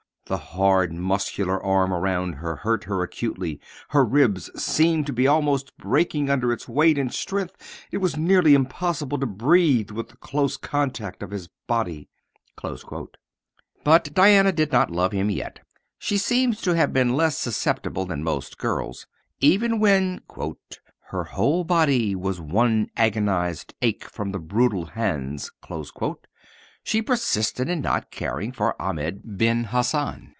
The hard, muscular arm around her hurt her acutely, her ribs seemed to be almost breaking under its weight and strength, it was nearly impossible to breathe with the close contact of his body." But Diana did not love him yet. She seems to have been less susceptible than most girls. Even when "her whole body was one agonized ache from the brutal hands" she persisted in not caring for Ahmed Ben Hassan.